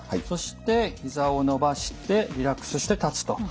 そしてひざを伸ばしてリラックスして立つと。